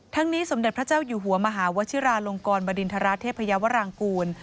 นี้สมเด็จพระเจ้าอยู่หัวมหาวชิราลงกรบริณฑราเทพยาวรางกูล